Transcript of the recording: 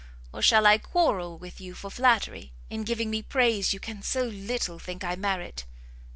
or shall I quarrel with you for flattery, in giving me praise you can so little think I merit?"